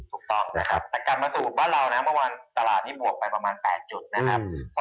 กลับมาสู่บ้านเราน่ะเมื่อกว่าตลาดนี่บวกไปประมาณ๘ยุทธ์นะครับ